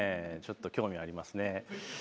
興味あります。